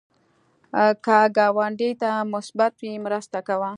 که ګاونډي ته مصیبت وي، مرسته کوه